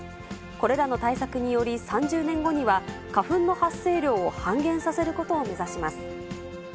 これらの対策により、３０年後には花粉の発生量を半減させることを目指します。